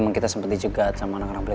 vian itu bisa macam dijual jualannya sih